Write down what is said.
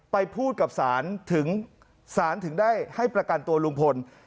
ไปพูดกับศาลถึงศาลถึงได้ให้ประกันตัวลุงพล